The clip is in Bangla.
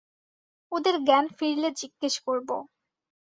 ওদের জ্ঞান ফিরলে জিজ্ঞেস করবো।